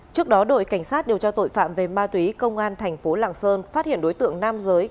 trước đó đội cảnh sát điều tra tội phạm về ma túy công an thành phố lạng sơn phát hiện đối tượng nam giới